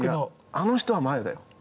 あの人は前だよ。